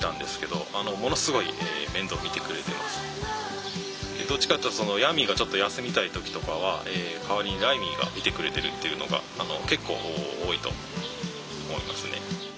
どっちかっていうとヤミーがちょっと休みたい時とかは代わりにライミーが見てくれてるっていうのが結構多いと思いますね。